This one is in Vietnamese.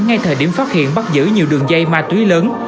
ngay thời điểm phát hiện bắt giữ nhiều đường dây ma túy lớn